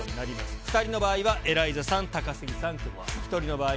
２人の場合は、エライザさん、高杉さん、クビ。